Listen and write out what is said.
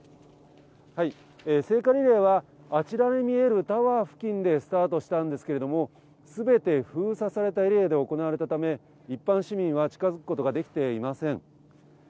聖火リレーは、あちらに見えるタワー付近でスタートしたんですけれども、全て封鎖されたエリアで行われたため、一般の市民は近づくことができていません。